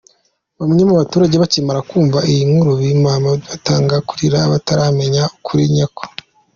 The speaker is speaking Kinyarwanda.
Bamwe mu baturage bakimara kumva iyi nkuru mpimbano btangiye kurira bataramenya ukuri nyako.